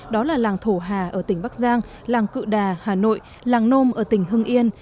đó là làng thổ hà ở tỉnh bắc giang làng cự đà hà nội làng nôm ở tỉnh hưng yên